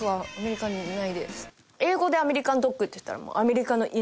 英語で「アメリカンドッグ」って言ったらもう。